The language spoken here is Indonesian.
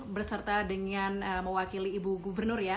berserta dengan mewakili ibu gubernur ya